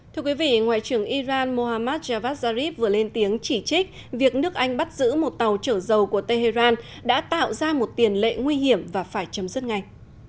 thưa quý vị ngoại trưởng iran mohammad javad zarif vừa lên tiếng chỉ trích việc nước anh bắt giữ một tàu chở dầu của tehran đã tạo ra một tiền lệ nguy hiểm và phải chấm dứt ngay